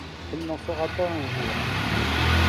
Elle n’en fera pas un jour.